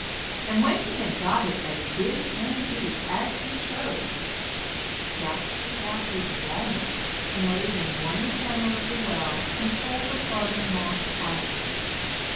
And when he had got it as big and deep as he chose, Jack took out his walnut and laid it in one corner of the well, and pulled the plug of moss out.